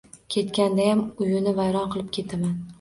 Ketgandayam uyini vayron qilib ketaman!